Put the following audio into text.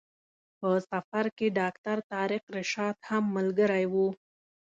په سفر کې ډاکټر طارق رشاد هم ملګری و.